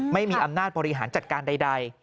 ไม่มีอำนาจบริหารจัดการใด